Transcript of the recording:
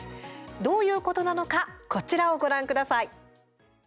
どういうことなのかこちらをご覧ください。